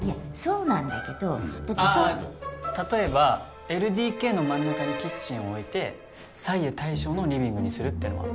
例えばＬＤＫの真ん中にキッチンを置いて左右対称のリビングにするってのは？